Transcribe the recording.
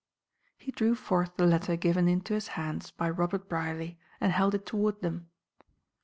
He drew forth the letter given into his hands by Robert Brierly, and held it toward them.